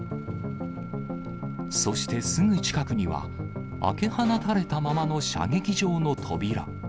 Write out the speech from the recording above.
そしてすぐ近くには、開け放たれたままの射撃場の扉。